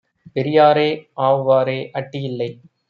பெரியாரே, ஆவ்வாறே! அட்டி யில்லை.